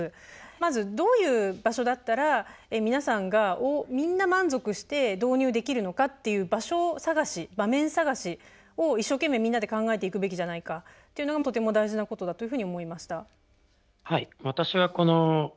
まずどういう場所だったら皆さんがみんな満足して導入できるのかっていう場所探し場面探しを一生懸命みんなで考えていくべきじゃないかというのがとても大事なことだというふうに思いました。